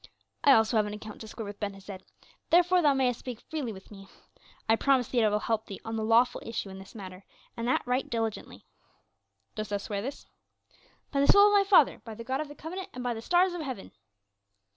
"I also have an account to square with Ben Hesed, therefore thou mayest speak freely with me; I promise thee that I will help on the lawful issue in this matter, and that right diligently." "Dost thou swear this?" "By the soul of my father; by the God of the Covenant, and by the stars of heaven."